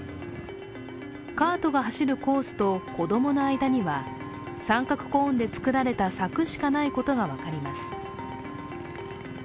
カートが走るコースと子供の間には三角コーンで作られた柵しかないことが分かります。